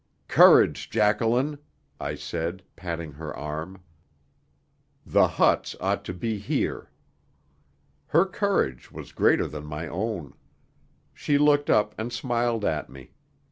"Courage, Jacqueline," I said, patting her arm, "The huts ought to be here." Her courage was greater than my own. She looked up and smiled at me.